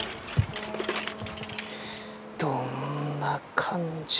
どんな感じ。